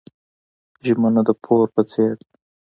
ژمنه د پور په څیر ده.